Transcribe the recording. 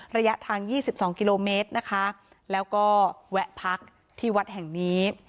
ระยะทาง๒๒กิโลเมตรนะคะแล้วก็แวะพักที่วัดแห่งนี้